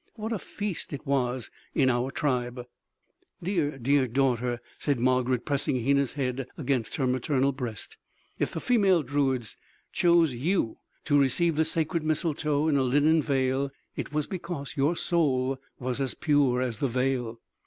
What a feast it was in our tribe!" "Dear, dear daughter," said Margarid pressing Hena's head against her maternal breast, "if the female druids chose you to receive the sacred mistletoe in a linen veil, it was because your soul was as pure as the veil."